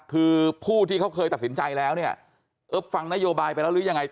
คือผู้ที่เขาเคยตัดสินใจแล้วเนี่ยเออฟังนโยบายไปแล้วหรือยังไง